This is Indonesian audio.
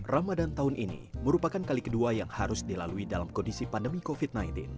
ramadan tahun ini merupakan kali kedua yang harus dilalui dalam kondisi pandemi covid sembilan belas